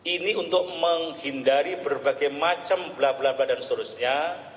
ini untuk menghindari berbagai macam blablabla dan seterusnya